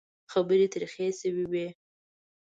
خبرې ترخې شوې وې.